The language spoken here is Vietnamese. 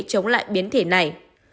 chống lại biến thể này